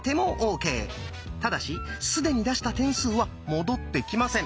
ただし既に出した点数は戻ってきません。